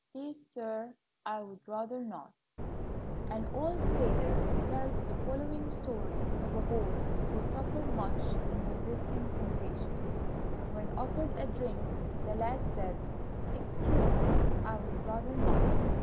"PLEASE, SIR, I WOULD RATHER NOT" An old sailor tells the following story of a boy who suffered much in resisting temptation: When offered a drink, the lad said, "Excuse me; I would rather not."